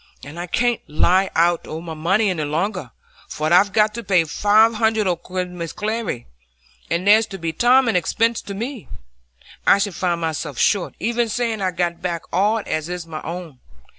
And I can't lie out o' my money any longer, for I've got to pay five hundred o' Mrs Glegg's, and there'll be Tom an expense to me. I should find myself short, even saying I'd got back all as is my own.